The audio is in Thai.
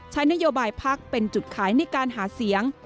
ใช้นโยบายพักเป็นจุดขายในการหาเสียง